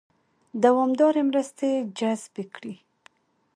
دوامدارې مرستې جذبې کړي.